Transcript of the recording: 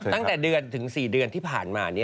ตั้งแต่เดือนถึง๔เดือนที่ผ่านมา